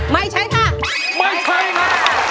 ไม่ใช่ค่ะไม่ใช่ค่ะ